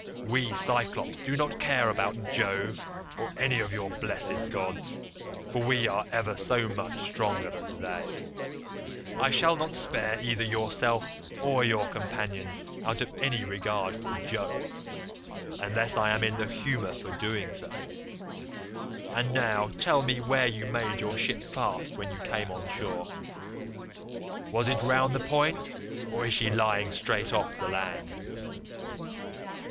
We Cyclopes do not care about Jove or any of your blessed gods, for we are ever so much stronger than they. I shall not spare either yourself or your companions out of any regard for Jove, unless I am in the humour for doing so. And now tell me where you made your ship fast when you came on shore. Was it round the point, or is she lying straight off the land?